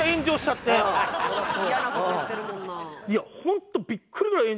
嫌な事言ってるもんな。